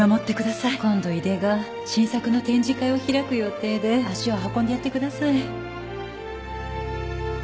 今度井手が新作の展示会を開く予定で足を運んでやってください